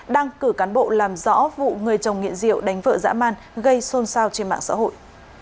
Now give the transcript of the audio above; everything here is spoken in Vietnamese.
đang cử cán bộ làm rõ vụ người chồng nghiện rượu đánh vợ dã man gây xôn xao trên mạng xã hội